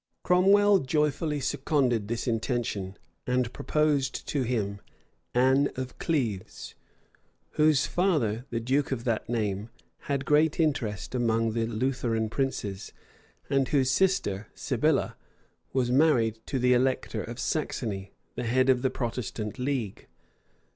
Cromwell joyfully seconded this intention; and proposed to him Anne of Cleves, whose father, the duke of that name, had great interest among the Lutheran princes, and whose sister, Sibylla, was married to the elector of Saxony, the head of the Protestant league.